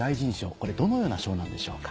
これどのような賞なんでしょうか？